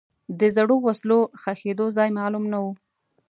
د زړو وسلو ښخېدو ځای معلوم نه و.